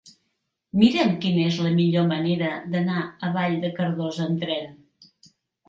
Mira'm quina és la millor manera d'anar a Vall de Cardós amb tren.